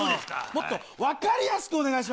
もっと分かりやすくお願いします。